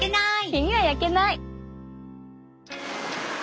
日には焼けない！